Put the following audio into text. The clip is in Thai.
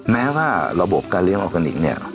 แม้ว่าระบบการเรียนออกแน็กเนี่ย